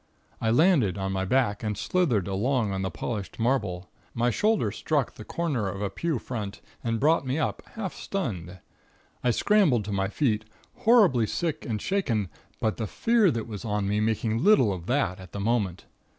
I landed on my back, and slithered along on the polished marble. My shoulder struck the corner of a pew front, and brought me up, half stunned. I scrambled to my feet, horribly sick and shaken; but the fear that was on me, making little of that at the moment.